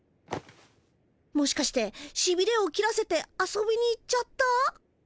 もしかしてしびれを切らせて遊びに行っちゃった？